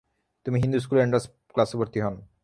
তিনি হিন্দু স্কুলে এন্ট্রান্স ক্লাশে ভর্তি হন।